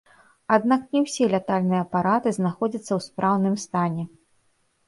Аднак не ўсе лятальныя апараты знаходзяцца ў спраўным стане.